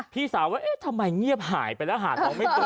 พี่สาวว่าเอ๊ะทำไมเงียบหายไปแล้วหาน้องไม่เจอ